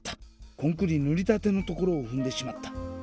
コンクリぬりたてのところをふんでしまった。